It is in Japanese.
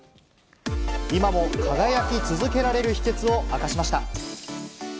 今も輝き続けられる秘けつを明かしました。